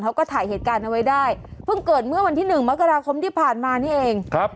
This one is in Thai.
เขาก็ถ่ายเหตุการณ์เอาไว้ได้เพิ่งเกิดเมื่อวันที่หนึ่งมกราคมที่ผ่านมานี่เองครับ